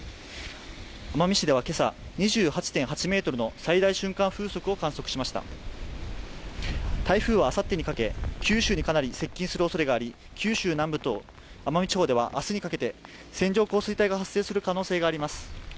奄美市では今朝２８．８メートルの最大瞬間風速を観測しました台風はあさってにかけ九州にかなり接近するおそれがあり九州南部と奄美地方ではあすにかけて線状降水帯が発生する可能性があります